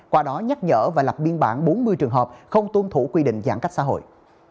qua đó nhắc nhở và lập biên bản bốn mươi trường hợp không tuân thủ quy định giãn cách xã hội